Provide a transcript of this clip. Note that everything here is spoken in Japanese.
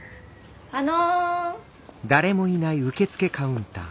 あの。